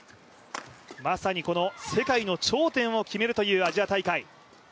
まさに世界の頂点を決めるというアジア大会。